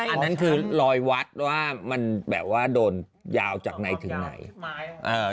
อันนั้นคือรอยวัดว่ามันแบบว่าโดนยาวจากไหนถึงไหนเอ่อ